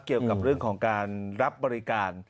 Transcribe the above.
เกี่ยวกับเรื่องของการรับบริการ